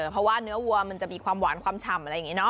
เพราะว่าเนื้อวัวมันจะมีความหวานชัม